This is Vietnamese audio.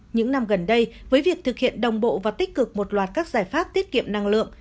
những năm gần đây với việc thực hiện đồng bộ và tích cực một loạt các giải pháp tiết kiệm năng lượng